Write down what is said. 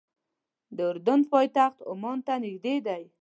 د اردن پایتخت عمان ته نږدې ده.